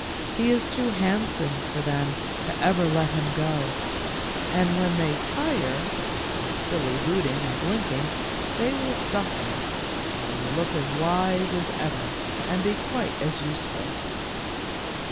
He is too handsome for them to ever let him go, and when they tire 152 THE LITTLE FORESTERS, of his silly hooting and blinking they will stuff him, and he will look as wise as ever and be quite as useful."